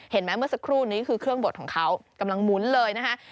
เห็นไหมเมื่อสักครู่นี้คือเครื่องบดของเขากำลังหมุนเลย